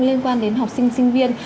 liên quan đến học sinh sinh viên